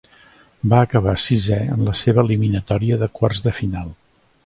Va acabar sisè en la seva eliminatòria de quarts de final.